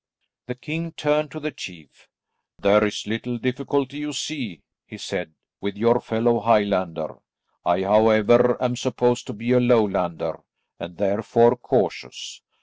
The king turned to the chief. "There is little difficulty, you see," he said, "with your fellow Highlander. I however, am supposed to be a Lowlander, and therefore cautious.